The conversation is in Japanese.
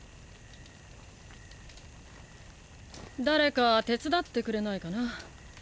誰か手伝ってくれないかな？